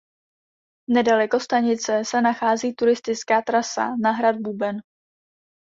Nedaleko stanice se nachází turistická trasa na hrad Buben.